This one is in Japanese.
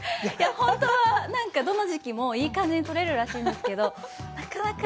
本当は、どの時期もいい感じにとれるらしいんですけど、なかなか。